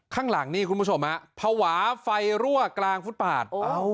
ข้างหลังนี่คุณผู้ชมฮะภาวะไฟรั่วกลางฟุตปาด